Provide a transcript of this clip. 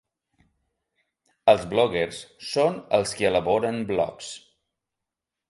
Els bloguers són els qui elaboren blogs.